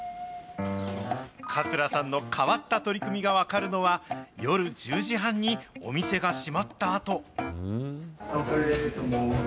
桂さんの変わった取り組みが分かるのは、夜１０時半にお店が閉まったあと。